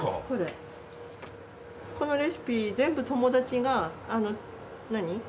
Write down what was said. これこのレシピ全部友達があの何？